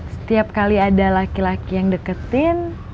setiap kali ada laki laki yang deketin